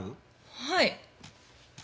はい。